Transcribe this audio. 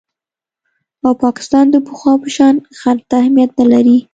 او پاکستان د پخوا په شان غرب ته اهمیت نه لري